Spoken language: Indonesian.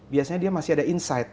biasanya dia masih ada insight